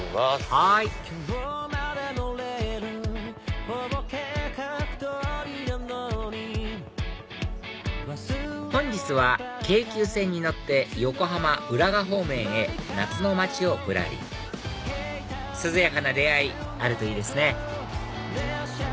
はい本日は京急線に乗って横浜浦賀方面へ夏の街をぶらり涼やかな出会いあるといいですね